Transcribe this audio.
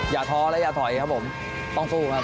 ท้อและอย่าถอยครับผมต้องสู้ครับ